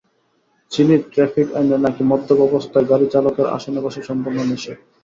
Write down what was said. চিলির ট্র্যাফিক আইনে নাকি মদ্যপ অবস্থায় গাড়ির চালকের আসনে বসা সম্পূর্ণ নিষিদ্ধ।